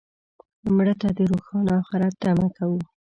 مړه ته د روښانه آخرت تمه کوو